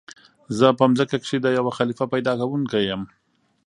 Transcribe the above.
"زه په ځمكه كښي د يو خليفه پيدا كوونكى يم!"